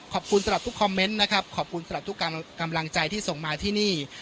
ขอบคุณตลอดทุกคอมเมนต์นะครับขอบคุณตลอดทุกกำลังใจที่ส่งมาที่นี่